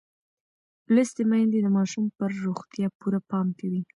لوستې میندې د ماشوم پر روغتیا پوره پام کوي.